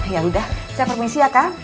yaudah cik permisi ya kang